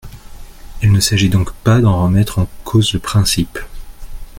Il ne s’agit donc pas d’en remettre en cause le principe.